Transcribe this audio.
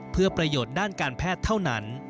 เพื่อประโยชน์ด้านการแพทย์เท่านั้น